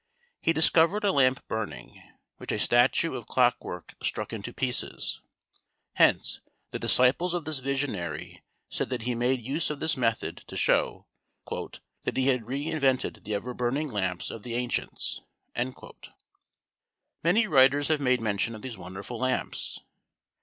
He discovered a lamp burning, which a statue of clock work struck into pieces. Hence, the disciples of this visionary said that he made use of this method to show "that he had re invented the ever burning lamps of the ancients." Many writers have made mention of these wonderful lamps.